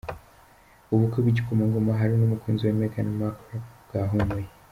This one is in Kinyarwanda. Ubukwe bw’igikomangoma Harry n’umukunzi we Meghan Markle bwahumuye.